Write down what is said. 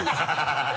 ハハハ